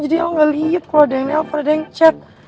jadi el gak liat kalo ada yang el atau ada yang chat